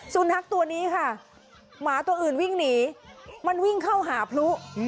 สุนัขตัวนี้ค่ะหมาตัวอื่นวิ่งหนีมันวิ่งเข้าหาพลุ